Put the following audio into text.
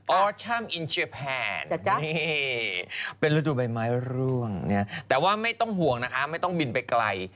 ออชัมอินเชียแพนนี่เป็นฤดูใบไม้ร่วงแต่ว่าไม่ต้องห่วงนะคะไม่ต้องบินไปไกล